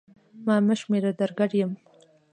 ما مه شمېره در ګډ یم